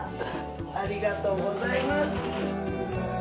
ありがとうございます。